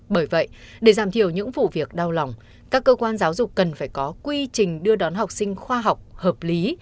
bởi vậy để giảm thiểu những vụ việc đau lòng các cơ quan giáo dục cần phải có quy trình đưa đón học sinh khoa học hợp lý